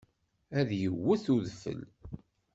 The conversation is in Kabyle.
Ad d-yewwet udfel?